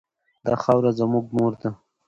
دا خاوره زموږ مور ده.